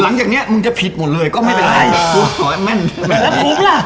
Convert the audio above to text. หลังจากเนี้ยมึงจะผิดหมดเลยก็ไม่เป็นไรกูขอให้แม่นแม่นแล้วคุกล่ะ